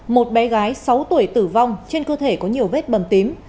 một bé gái sáu tuổi tử vong trên cơ thể có nhiều vết bầm tím